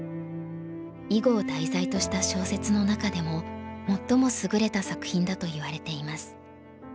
囲碁を題材とした小説の中でも最も優れた作品だといわれています。